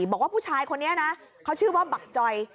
บอกว่าผู้ชายคนนี้นะเขาชื่อว่าบักจอย